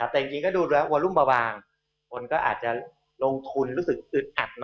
แต่จริงก็ดูแล้ววอลุ่มเบาบางคนก็อาจจะลงทุนรู้สึกอึดอัด